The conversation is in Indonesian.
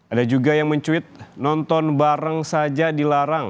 ada juga yang mencuit nonton bareng saja dilarang